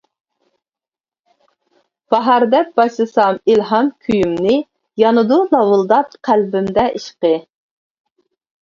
باھار دەپ باشلىسام ئىلھام كۈيۈمنى، يانىدۇ لاۋۇلداپ قەلبىمدە ئىشقى.